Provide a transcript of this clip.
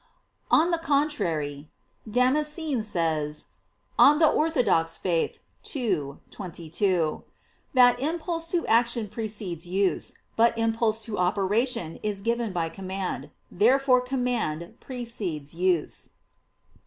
On the contrary, Damascene says (De Fide Orth. ii, 22) that impulse to action precedes use. But impulse to operation is given by command. Therefore command precedes use.